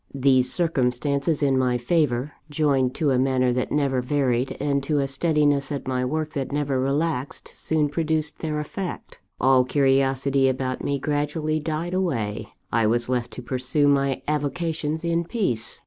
These circumstances in my favour, joined to a manner that never varied, and to a steadiness at my work that never relaxed, soon produced their effect all curiosity about me gradually died away: I was left to pursue my avocations in peace.